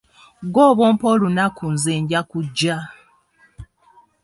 Gw'oba ompa olunaku nze nja kujja.